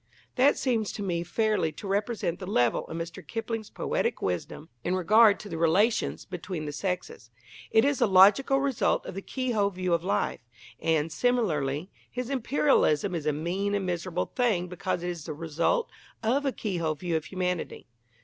That seems to me fairly to represent the level of Mr. Kipling's poetic wisdom in regard to the relations between the sexes. It is the logical result of the keyhole view of life. And, similarly, his Imperialism is a mean and miserable thing because it is the result of a keyhole view of humanity.